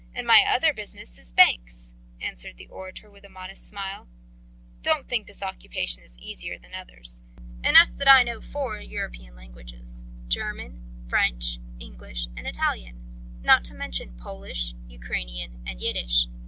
and my other business is banks," answered the orator with a modest smile. "Don't think this occupation is easier than others. Enough that I know four European languages, German, French, English, and Italian, not to mention Polish, Ukrainian and Yiddish.